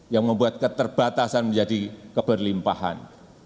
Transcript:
yang membuat keterbatasan menjadi keberlimpahan